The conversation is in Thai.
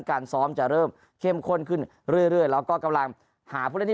การซ้อมจะเริ่มเข้มข้นขึ้นเรื่อยแล้วก็กำลังหาผู้เล่นที่